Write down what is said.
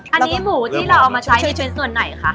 อันนี้หมูที่เราเอามาใช้นี่เป็นส่วนไหนคะ